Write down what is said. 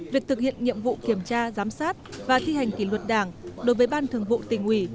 việc thực hiện nhiệm vụ kiểm tra giám sát và thi hành kỷ luật đảng đối với ban thường vụ tỉnh ủy